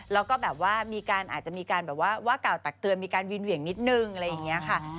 แล้วก็แบบว่ามีการอาจจะมีการแบบว่าว่ากล่าวตักเตือนมีการวินเหวี่ยงนิดนึงอะไรอย่างนี้ค่ะ